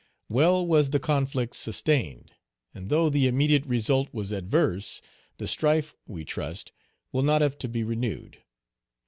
Well was the conflict sustained, and though the immediate result was adverse, the strife, we trust, will not have to be renewed.